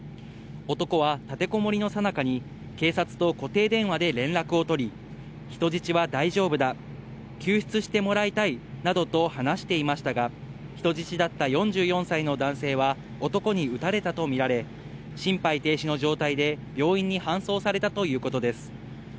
男は立てこもりの最中に警察と固定電話で連絡を取り、人質は大丈夫だ、救出してもらいたいなどと話していましたが、人質だった４４歳の男性は男に撃たれたとみられ、心肺停止の状態で病院に搬送されたということです。